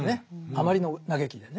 あまりの嘆きでね。